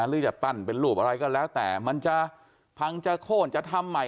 หรือจะปั้นเป็นรูปอะไรก็แล้วแต่มันจะพังจะโค้นจะทำใหม่